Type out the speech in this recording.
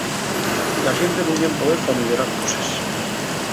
La xente nun tien poder p'ameyorar coses.